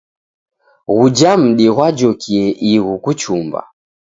Ghuja mdi ghwajokie ighu kuchumba.